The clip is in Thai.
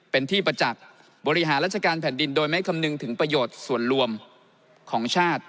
เป็นที่ประจักษ์บริหารราชการแผ่นดินโดยไม่คำนึงถึงประโยชน์ส่วนรวมของชาติ